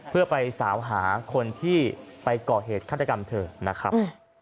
เพื่อไปสาวหาคนที่ไปก่อเหตุฆาตกรรมเธอนะครับ